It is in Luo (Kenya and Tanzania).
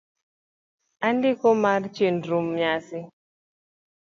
Andiko mar chenro nyasi: